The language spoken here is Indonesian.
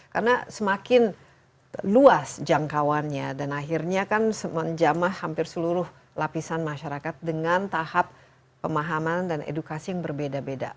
karena semakin luas jangkauannya dan akhirnya kan menjamah hampir seluruh lapisan masyarakat dengan tahap pemahaman dan edukasi yang berbeda beda